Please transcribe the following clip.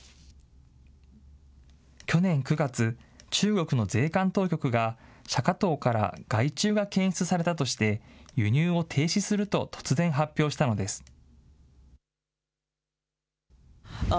去年９月、中国の税関当局が、シャカトウから害虫が検出されたとして、輸入を停止すると突然発表したのです。